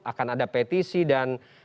akan ada petisi dan